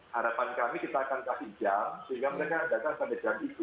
harapan kami kita akan kasih jam sehingga mereka datang pada jam itu